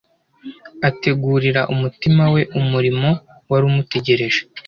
ategurira umutima we umurimo wari umutegereje.